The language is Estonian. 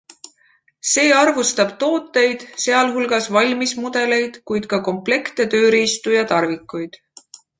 See arvustab tooteid, sealhulgas valmismudeleid, kuid ka komplekte, tööriistu ja tarvikuid.